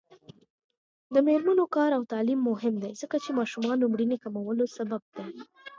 د میرمنو کار او تعلیم مهم دی ځکه چې ماشومانو مړینې کمولو سبب دی.